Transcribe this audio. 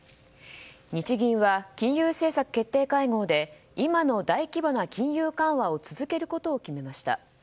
日銀は金融政策決定会合で今の大規模な金融緩和を続けることを決めました。